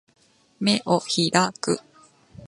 眼を開く